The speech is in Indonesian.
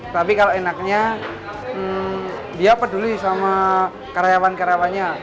tapi kalau enaknya dia peduli sama karyawan karyawannya